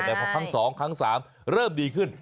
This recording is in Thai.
แม้ครั้งสองครั้งสามเริ่มดีขึ้น